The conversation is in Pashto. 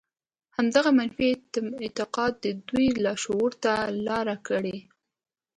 همدغه منفي اعتقاد د دوی لاشعور ته لاره کړې